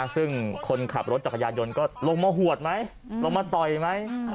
ซึ่งคนขับรถจักรยานยนต์ก็ลงมาหวดไหมลงมาต่อยไหม